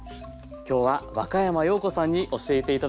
今日は若山曜子さんに教えて頂きました。